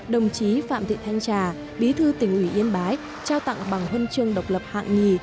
đồng chí phạm thị thanh trà bí thư tỉnh ủy yên bái trao tặng bằng huân chương độc lập hạng nhì